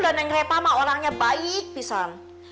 dan yang reva mah orangnya baik pisang